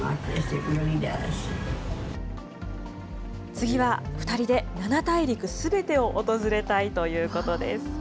次は２人で７大陸すべてを訪れたいということです。